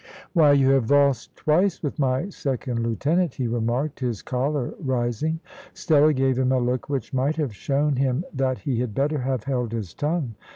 "Why, you have valsed twice with my second lieutenant," he remarked, his choler rising. Stella gave him a look which might have shown him that he had better have held his tongue.